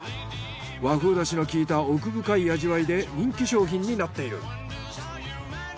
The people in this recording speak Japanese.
和風だしの効いた奥深い味わいで人気商品になっている。